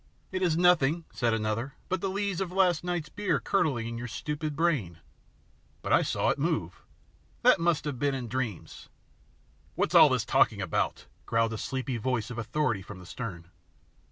"It is nothing," said another, "but the lees of last night's beer curdling in your stupid brain." "But I saw it move." "That must have been in dreams." "What is all that talking about?" growled a sleepy voice of authority from the stern.